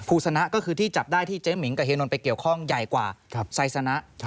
สนะก็คือที่จับได้ที่เจ๊มิงกับเฮนนท์ไปเกี่ยวข้องใหญ่กว่าไซสนะ